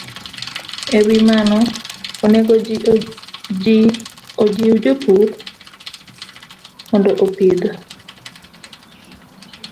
E wi mano, onego ojiw jopur mondo opidh